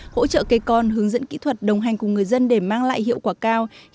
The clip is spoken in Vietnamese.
hỗ trợ cây con hướng dẫn kỹ thuật đồng hành cùng người dân để mang lại hiệu quả cao